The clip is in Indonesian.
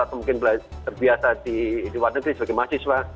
atau mungkin terbiasa di luar negeri sebagai mahasiswa